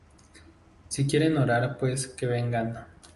Si quieren orar pues que vengan.